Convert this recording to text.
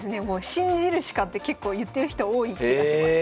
「信じるしか」って結構言ってる人多い気がします。